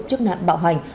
trước nạn bạo hành